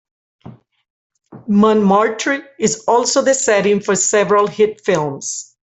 Montmartre is also the setting for several hit films.